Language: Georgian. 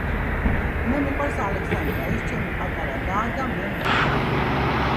მე მიყვარს ალექსანდრა ის ჩემი პატარა დაა და მე მგავს